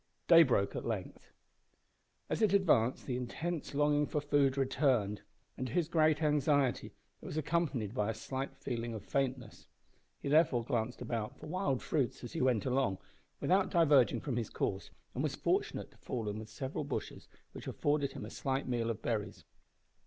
Day broke at length. As it advanced the intense longing for food returned, and, to his great anxiety, it was accompanied by a slight feeling of faintness. He therefore glanced about for wild fruits as he went along, without diverging from his course, and was fortunate to fall in with several bushes which afforded him a slight meal of berries.